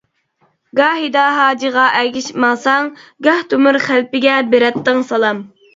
گاھىدا ھاجىغا ئەگىشىپ ماڭساڭ، گاھ تۆمۈر خەلپىگە بېرەتتىڭ سالام.